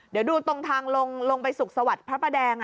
เดี๋ยวดูตรงทางลงลงไปสุขสวัสดิ์พระประแดง